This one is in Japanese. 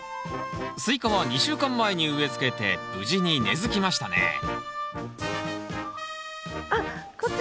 スイカは２週間前に植えつけて無事に根づきましたねあっこっち